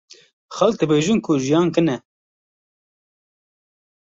Xelk dibêjin ku jiyan kin e.